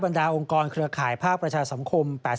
บรรดาองค์กรเครือข่ายภาพประชาสมคม